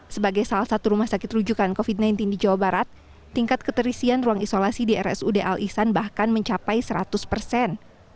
sebagai salah satu rumah sakit rujukan covid sembilan belas di jawa barat tingkat keterisian ruang isolasi di rsud al ihsan bahkan mencapai seratus persen